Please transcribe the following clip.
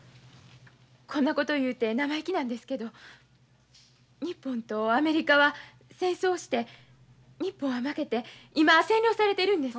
こんなこと言うて生意気なんですけど日本とアメリカは戦争して日本は負けて今占領されてるんです。